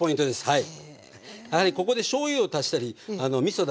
はい。